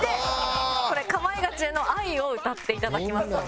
『かまいガチ』への愛を歌っていただきますので。